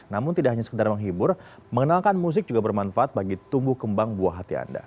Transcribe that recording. namun tidak hanya sekedar menghibur mengenalkan musik juga bermanfaat bagi tumbuh kembang buah hati anda